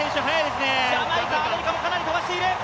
ジャマイカ、アメリカもかなり飛ばしている。